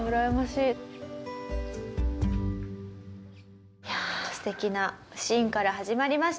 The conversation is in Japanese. いやあ素敵なシーンから始まりました。